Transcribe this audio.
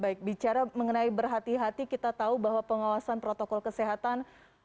baik bicara mengenai berhati hati kita tahu bahwa pengawasan protokol kesehatan